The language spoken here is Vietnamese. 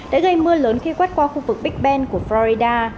đã gây mưa lớn khi quét qua khu vực big ben của florida